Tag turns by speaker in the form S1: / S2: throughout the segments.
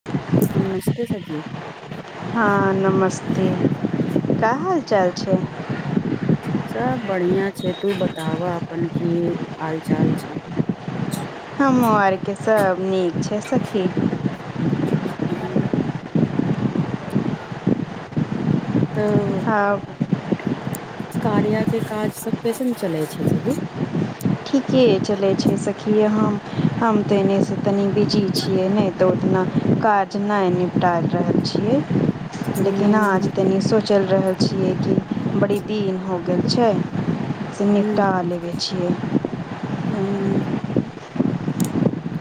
S1: [unintelligible]
S2: नमस्ते सखी
S1: हँ नमस्ते का हाल चाल छै?
S2: सब बढ़िया छै तू बताव अपन की हाल चाल छै [inaudible]
S1: हमो आर केँ सब नीक छै सखी।
S2: [unintelligible]
S1: हँ
S2: [unintelligible] कार्या केँ काज सब कैसेन चलै छै दीदी
S1: ठीके चलै छै सखी हम हम तऽ एनेसँ तनी बिजी छियै नै तऽ ओतना काज नै निपटाई रहल छियै लेकिन
S2: हूं
S1: आज तनि सोचि रहल छियै कि बड़ी दिन हो गेल छै से निपटा लेबै छियै।
S2: हू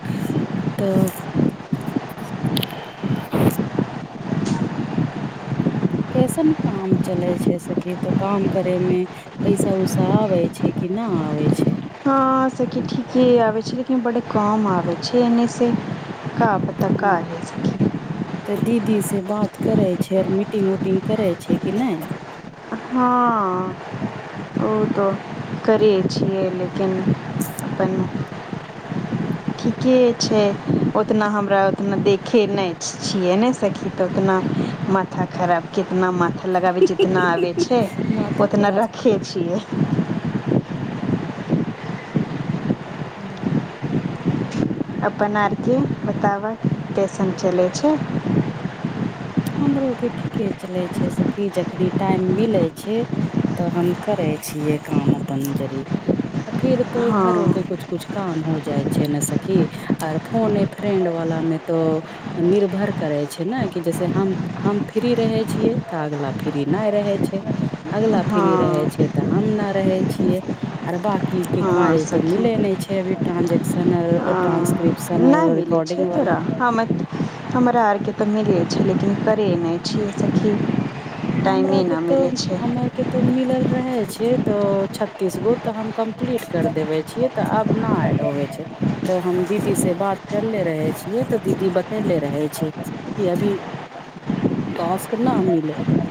S2: [inaudible] तऽ कैसन काम चलै छै सखी तऽ काम करे में पैसा उषा आवे छै कि नै आवे छै
S1: हँ सखी ठीके आबे छै लेकिन बड कम आबे छै एने से का पता
S2: [unintelligible]
S1: काहे सखी
S2: तऽ दीदी से बात करै छै आर मीटिंग उटिंग करै छै कि नै
S1: हँ [unintelligible] ओ तऽ करियै छियै लेकिन [unintelligible] अपन ठीके छै ओतना हमरा ओतना देखै नै छियै ने सखी तऽ ओतना म माथा खराब कितना माथा लगाबै जितना आबै छै
S2: माथा
S1: ओतना
S2: खराब
S1: रखे छियै।
S2: [unintelligible]
S1: अपन आर केँ बताब कइसन चलै छै
S2: हमरो केँ ठीके चले छै सखी जखनी टाइम मिले छै तऽ हम करै छियै काम अपन जरी फिर तो
S1: हँ
S2: घरओ केँ कुछ कुछ काम हो जाइ छै ने सखी आर फोन ए फ्रेंड वाला मे तो निर्भर करै छै ने कि जैसे से हम हम फ्री रहै छियै तऽ अगला फ्री नै रहै छै अगला फ्री रहे
S1: हँ
S2: छै तऽ हम ना रहे छियै आर बात की
S1: हँ
S2: कार्य तो
S1: सखी
S2: मिले नै छै अभी ट्रानंजेक्शन आर ट्रांन
S1: नहि मिलै छै तोरा हम तऽ हमरा आरके तऽ मिलै छै लेकिन करै नहि छियै सखी टाइमे नहि मिलै छै
S2: तो मिलल रहेै छै तो छत्तीस गो तऽ हम कम्प्लीट कर देबे छिये तऽ आब नहि एड होवे छै तऽ हम दीदी से बात करले रहे छियै तऽ दीदी बतेले रहे छै यदि टास्क नहि मिले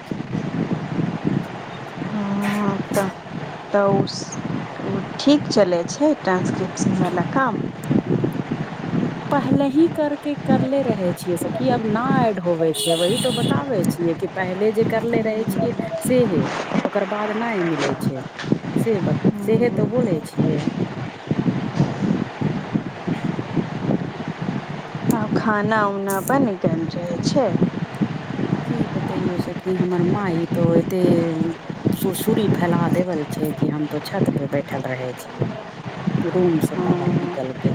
S1: हँ
S2: [inaudible]
S1: तऽ तऽ उस ठीक चलै छै ट्रान्सक्रिप्शनवाला काम
S2: पहलहीं करके करले रहे छियै सखी अब न एड होवे छै वही तऽ बताबै छियै कि पहिले जे करले रहै छियै सेहे ओकर बाद नहि मिलै छै से बत सेहे तऽ बोलै छियै
S1: आब खाना उना बन गैल रहे छै
S2: की बतैयो सखी हमर माए एतो एत्ते सुरसुरी फैला देवल छै कि हम तो छत पे बैठल रहे छियै रूम से बाहर निकलके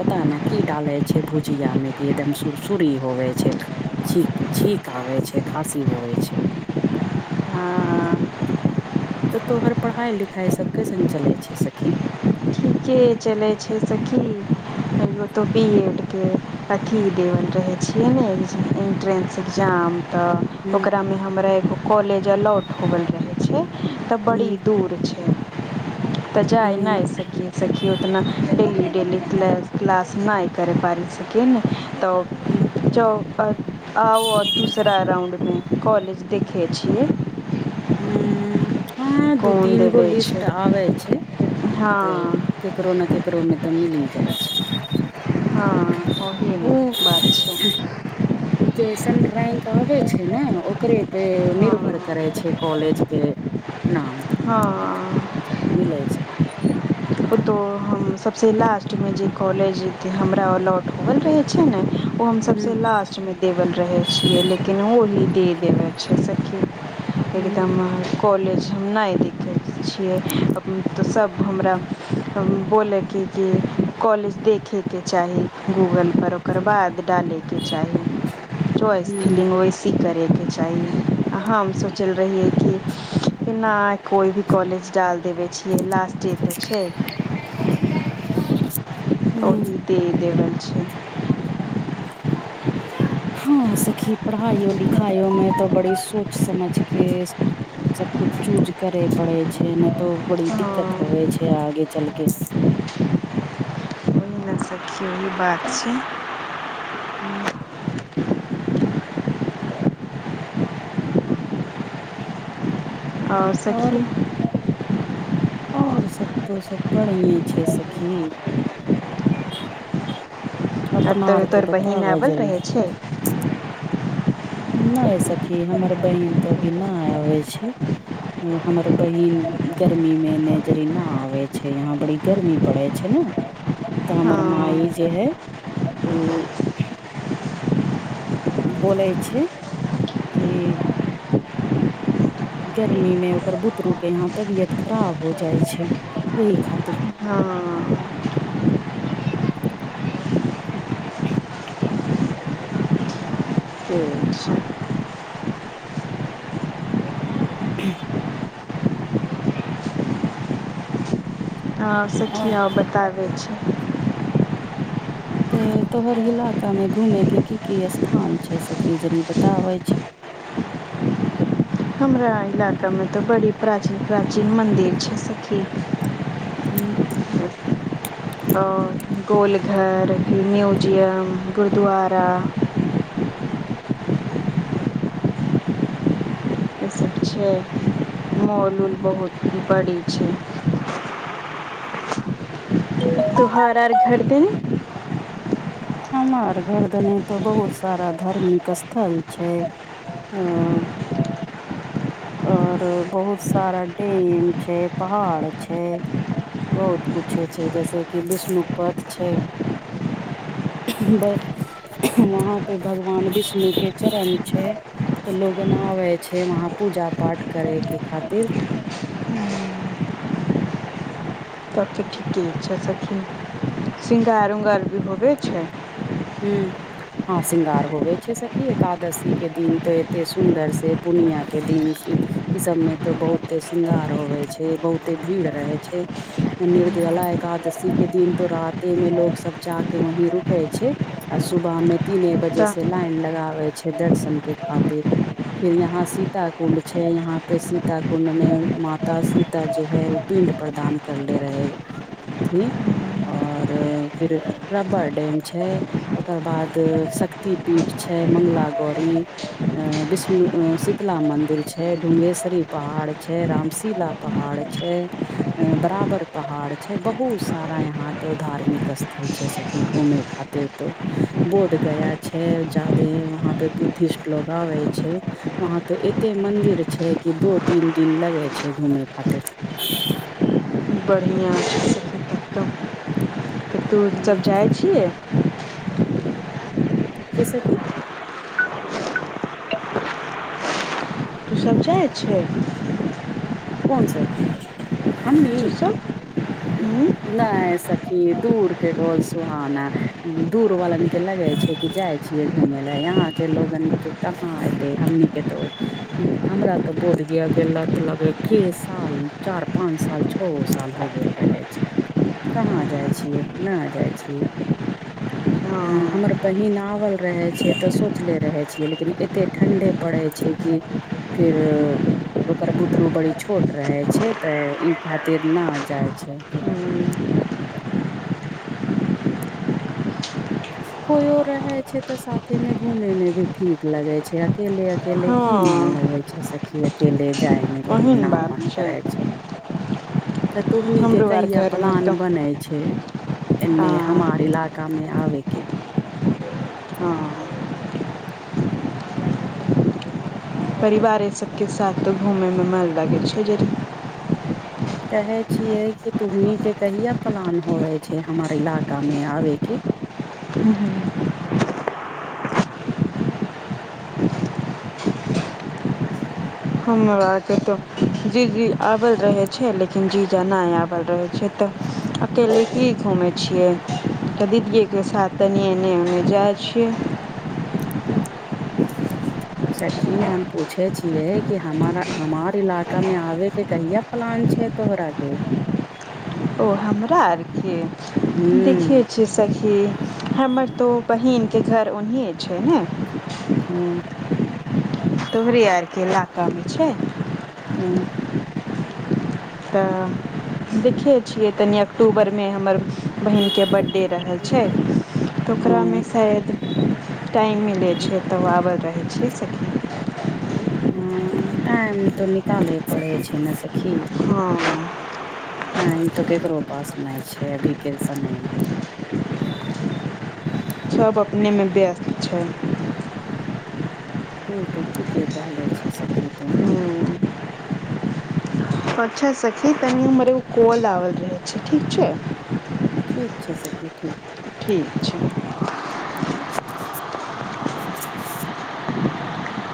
S2: पता नहि की डालै छै भुजिया मे कऽ एदम सुरसुरी होवे छै छिक छिक आबै छै खाँसी होबै छै
S1: हँ
S2: त तोहर पराहै लिखाए सब कैसन चलै छै सखी
S1: के चलै छै सखी तैयो तो बी एड के अथी देवल रहेै छियै नहि इंट्रेंस एग्जाम तऽ
S2: हूँ
S1: ओकरामे हमरा एगो कॉलेज अलौउट हो गेल रहै छै तऽ बड़ी
S2: हूँ
S1: दू छै तऽ जाय
S2: हूँ
S1: नहि सकि सखी ओतना डेली डेली किलास क्लास नहि करै पारय सकी ने तऽ
S2: हम्म
S1: जौ बत आउ और दूसरा राउंडमे कॉलेज देखै छियै
S2: हम्म ह दू
S1: कोन
S2: तीन गो
S1: देबै छै
S2: लिस्ट आबे छै तऽ
S1: हँ
S2: केकरो ने केकरो मे तऽ मिली जाइत
S1: ह ओही नहि बात छै
S2: जैसन रैंक आबे छै ने ओकरे पे
S1: हँ
S2: निर्भर करेै छै कॉलेज के नाम मिलै छै
S1: ओतो हम सब सऽ लास्ट मे जे कॉलेज के हमरा अलौउट होबल रहे छै ने ओ हम सब से लास्ट मे देबल रहै छियै लेकिन ओली दे देबै छै सखी एकदम कॉलेज हम नहि देखैत छियै तऽ सब हमरा बोलै कऽ कि कॉलेज देखैके चाही गूगल पर ओकर बाद डालैके चाही चोइस फीलिंग ओइस सी करैके चाही हम सोचल रहियै कि नहि कोइ भी कॉलेज डाल देबेै छी कि लास्ट टऽ तऽ छै
S2: हम्म
S1: तऽ देबल छै
S2: ह सखी पढ़ाइयो लिखाइयो में तऽ बड़ी सोच समझ के सब कुछ चूज करेै पड़ेै छै नहि तो बड़ी
S1: हँ
S2: दिक्कत होबेै छै आगे चलके
S1: सही बात छै
S2: [unintelligible]
S1: आउ
S2: और
S1: सखी
S2: और सब तो सब बढ़िइए छै सखी
S1: आब
S2: अपना
S1: तऽ
S2: आर के
S1: तोएर बहिन
S2: बताबऽ
S1: आबल
S2: जरी
S1: रहे छै
S2: नहि सखी हमर बहिन तो अभी नहि आबेै छै हमर बहिन गर्मी में नेजरीना आवे छैय यहााँ बड़ी गर्मी पड़ै छैय ने तऽ
S1: हँ
S2: हमर माइ जे हैय उऽ बोलै छैय की गर्मी में ओकर बुदरू के यहाँ तबियत खराब हो जाय छैय यही खातिर
S1: हँऽ
S2: [unintelligible]
S1: ठीक छैय
S2: [unintelligible]
S1: हँ संखिया बताबै छैय
S2: त तोहर इलाका में घूमे के की की स्थान छैय सखी जरी बताबैय छैय
S1: हमरा इलाका मे तऽ बड़ी प्राचीन प्राचीन मन्दिर छैय सखी
S2: [unintelligible]
S1: [unintelligible] आओर गोलघर म्यूजियम गुरुद्वारा छैय मॉल उल बहुत बड़ी छैय त्योहार आर घर देन
S2: हमार घर दने त बहुत सारा धार्मिक स्थल छैय अऽ और बहुत सारा डेम छैय पहाड़ छैय बहुत कुछे छैय जैसे कि विष्णु पद छैय हह बस हह वहाँ पे भगवान विष्णु के चरण छैय तऽ लोगन आबै छैय वहाँ पूजा पाठ करय के खातिर
S1: तब तऽ ठीके छैय सखी सिंगार उंगार भी होबे छैय
S2: हूँ हँ श्रृंगार होवे छैय सखी एकादशी के दिन तो एते सुन्दर से पुणिया के दिन ई सब मे तऽ बहुते श्रृंगार होवे छैय बहुते भीड़ रहे छैय निर्दला एकादशी के दिन तो रााते में लोग सब जााके वहीं रुकैय छैय आ सुबह मे तीने बजे से
S1: तऽ
S2: लाइन लगाबैय छैय दर्शन के खातिर फिर यहााँ सीता कुण्ड छैय यहाँ पे सीता कुण्ड में माता सीता जे है पिंड प्रदान करले रहेै ठीक और फिर ओकरा बरडेन छैय ओकर बाद शक्ति पीठ छैय मंगला गौरी ऐँ विष्णु शीतला मंदिर छैय डुंगेश्वरी पहाड़ छैय रामशीला पहाड़ छैय बराबर पहाड़ छैय बहुत सारा यहाँ तऽ धार्मिक स्थल छैय सखी घूमय खातिर त बोध गया छैय जादे वहाँ पे बुद्धिस्ट लोग आबय छैय वहााँ तो एते मंदिर छैय कि दो तीन दिन लगय छैय घूमे खातिर
S1: बढ़िआँ तऽ तू सब जाय छियै
S2: की सखी
S1: उ सब जाय छैय
S2: कौन सब हमरी
S1: तू सब हूँ
S2: नै सखी दूर के ढोल सुहाना दूर वालन के लगै छय कि जाइ छियै घूमेय ला यहां के लोगन के कहाँ एते हमनी के तो हमरा तऽ बोध गिया के लत लगै के साल चार-पाँंच साल छओ साल हो गेल रहै छै कहाँ जाइ छियै ना जाइ छीयै
S1: [inaudible]
S2: हमर बहिन आबल रहय छैय तऽ सोचले रहय छियै लेकिन एते ठण्ढे पड़ै छै कि फिर ओकर बुतरू बड़ी छोट रहय छैय तऽ इ खातिर न जाय छैय कोयो रहय छैय तऽ साथे मे घूमय मे भी ठीक लगय छैय अकेले अ अकेले
S1: हँ
S2: की मन लगै छै सखी अकेले जायमे कही
S1: ओहन
S2: न मन
S1: बात
S2: करै छै तत तोहनी के
S1: हमरो आर
S2: कहिया
S1: घरमे
S2: प्लान
S1: तऽ
S2: बनै छै
S1: हँ
S2: एने हमार इलाका मे आबे के
S1: हँ परिवारे सबके साथ तऽ घूमयमे मन लगै छै जे
S2: कहै छियै कि तुहनी के कहिआ प्लान होवे छै हमर इलाका मे आबेके
S1: हुँ हुँ हमरा के तऽ जी जी आबल रहै छै लेकिन जीजा नै आबल रहै छै तऽ अकेले की घूमैय छियै क दीदीये के साथ तनि एने ऊने जाइ छियै [inaudible]
S2: सखी हम पूछे छियै कि हमारा हमार इलाका मे आबे के कहिया प्लान छै तोह राके
S1: ओ हमरा आर के देखे
S2: ह
S1: छी सखी हमर तो बहिनके घर ओन्नहिए छै नै
S2: हुँ [unintelligible]
S1: तोहरे आरके इलाकामे छाय
S2: ऊंअ [unintelligible]
S1: तऽ देखे छियै तनि अक्टूबर मे हमर बहिन के बर्थडे रहै छै तऽ
S2: ओ
S1: ओकरामे शायद टाइम मिलै छै त उ आबल रहै छै सखी
S2: ह टाइम त निकालै पड़ै छै नै सेखी
S1: हँ
S2: टायम तो केकरो पास नै छै अभी के समय मे
S1: छब अपनेमे व्यस्त छै
S2: उ ते ठीके कहले छै सखी तु
S1: हूँ अच्छा सखी तनि हमर ओ कॉल आबल रहै छै ठीक छै
S2: ठीक छै सखी ठीक
S1: ठीक छै
S2: [inaudible]